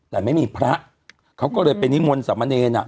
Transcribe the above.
แต่ไม่มีพระเขาก็เลยไปนิมนต์สามเณรอ่ะ